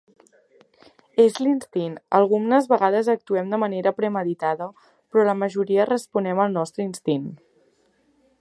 És l"instint...Algumnes vegades actuem de manera premeditada però la majoria responem al nostre instint.